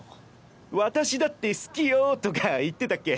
「私だって好きよ！」とか言ってたっけ。